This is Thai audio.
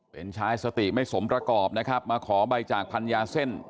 เป็นชายสติไม่สมประกอบนะครับมาขอใบจากพันยาเส้น